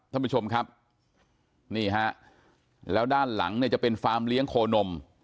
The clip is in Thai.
ท่านผู้ชมครับนี่ฮะแล้วด้านหลังเนี่ยจะเป็นฟาร์มเลี้ยงโคนม